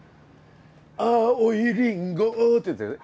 「青いリンゴを」ってやつだよね？